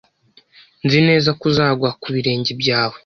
Nzi neza ko uzagwa ku birenge byawe.